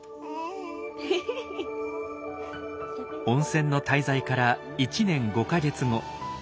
温泉の滞在から１年５か月後。